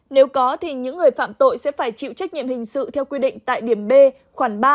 nếu có thì những người phạm tội sẽ phải chịu trách nhiệm hình sự theo quy định tại điểm b khoảng ba